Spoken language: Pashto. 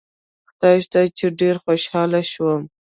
خدای شته چې ډېر خوشاله شوم.